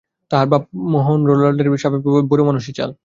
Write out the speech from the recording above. তাঁহার বাপ মনোহরলালের ছিল সাবেককেলে বড়োমানুষি চাল।